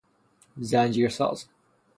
زنجیرساز